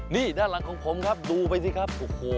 นี่ด้านหลังของผมดูไปสิครับ